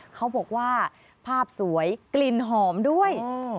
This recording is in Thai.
เขาบอกว่าภาพสวยกลิ่นหอมด้วย